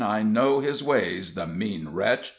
I know his ways, the mean wretch!"